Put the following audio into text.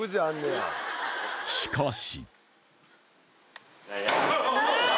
しかし・